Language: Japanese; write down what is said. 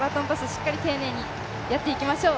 しっかり丁寧にやっていきましょう。